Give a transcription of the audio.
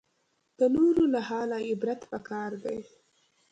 د نورو له حاله عبرت پکار دی